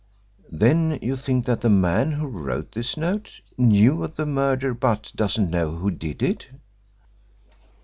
"Then you think that the man who wrote this note knew of the murder but doesn't know who did it?"